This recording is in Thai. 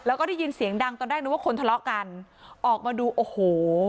แล้วก็ได้ยินเสียงดังตอนแรกนึกว่าคนทะเลาะกันออกมาดูโอ้โห